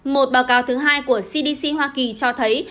một báo cáo thứ hai của cdc hoa kỳ cho thấy